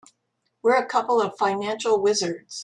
We're a couple of financial wizards.